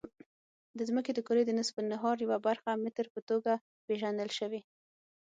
د ځمکې د کرې د نصف النهار یوه برخه متر په توګه پېژندل شوې.